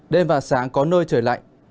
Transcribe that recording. đêm và sáng có nơi trời lạnh